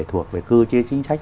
thuộc về cư chế chính trách